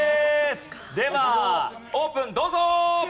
ではオープンどうぞ！